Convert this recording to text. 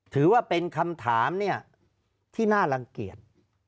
ถือว่าเป็นคำถามที่น่ารังเกียจ